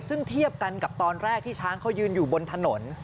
ซึ่งเทียบกันกับตอนแรกที่ช้างเขายืนอยู่บนถนน